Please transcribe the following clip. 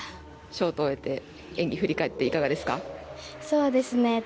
ショートを終えて演技振り返っていかがでしたか？